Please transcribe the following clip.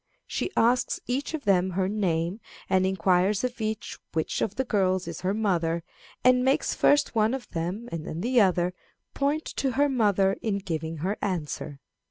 She asks each of them her name, and inquires of each which of the girls is her mother, and makes first one of them, and then the other, point to her mother in giving her answer.